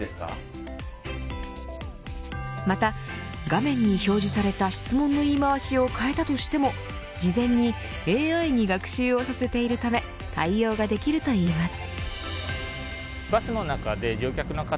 また画面に表示された質問の言い回しを変えたとしても事前にＡＩに学習をさせているため対応ができるといいます。